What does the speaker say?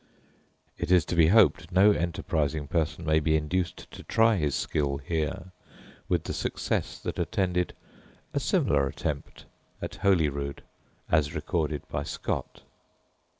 It is to be hoped no enterprising person may be induced to try his skill here with the success that attended a similar attempt at Holyrood, as recorded by Scott!